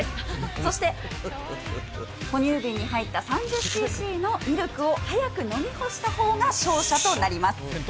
そして、ほ乳瓶に入った３０ｃｃのミルクを早く飲み干したほうが勝者となります。